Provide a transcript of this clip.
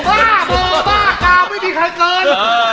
บ้าบ้าบ้ากล้าไม่มีใครเงิน